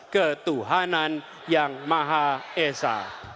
ketuhanan yang maha esa